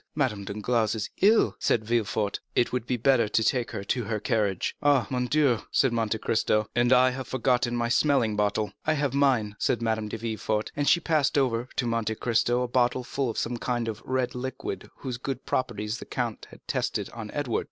"Madame Danglars is ill," said Villefort; "it would be better to take her to her carriage." "Oh, mon Dieu!" said Monte Cristo, "and I have forgotten my smelling bottle!" "I have mine," said Madame de Villefort; and she passed over to Monte Cristo a bottle full of the same kind of red liquid whose good properties the count had tested on Edward.